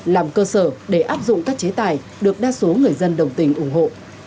làm cơ sở để áp dụng các chế tài được đa số người dân đồng tình ủng hộ